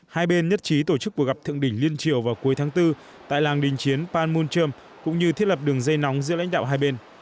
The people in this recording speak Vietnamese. hai bên nhất trí tổ chức cuộc gặp thượng đỉnh liên triều vào cuối tháng bốn tại làng đình chiến panmunjom cũng như thiết lập đường dây nóng giữa lãnh đạo hai bên